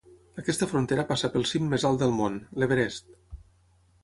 Aquesta frontera passa pel cim més alt del món, l'Everest.